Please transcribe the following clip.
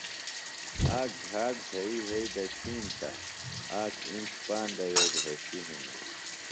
آک گھاٹ زھئی یھی دڇھین تہ آک اِنڇ پاندہ وے بھیشیۡ ہِنوۡ